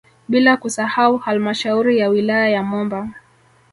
Bila kusahau halmashauri ya wilaya ya Momba